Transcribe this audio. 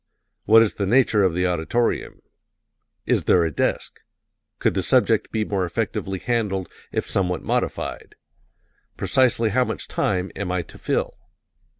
What is the nature of the auditorium? Is there a desk? Could the subject be more effectively handled if somewhat modified? Precisely how much time am I to fill?